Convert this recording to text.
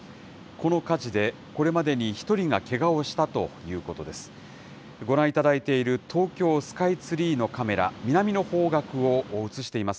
この火事で、これまでに１人がけがをしたということです。